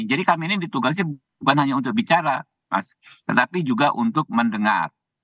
jadi kami ini ditugasi bukan hanya untuk bicara tetapi juga untuk mendengar